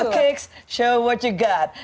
keluar tadi di sini ya lu